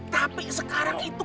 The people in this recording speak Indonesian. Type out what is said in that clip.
tapi sekarang itu